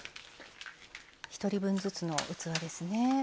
１人分ずつの器ですね。